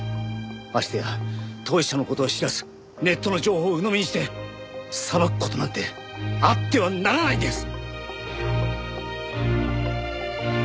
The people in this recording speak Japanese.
ましてや当事者の事を知らずネットの情報をうのみにして裁く事なんてあってはならないんです！